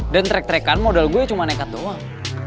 dan track track an modal gue cuma nekat doang